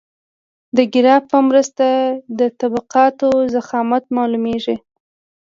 د ګراف په مرسته د طبقاتو ضخامت معلومیږي